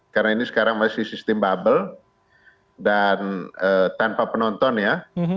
karena ini sekarang masih sistem bubble dan tanpa penonton ya